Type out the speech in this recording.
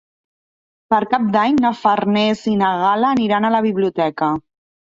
Per Cap d'Any na Farners i na Gal·la aniran a la biblioteca.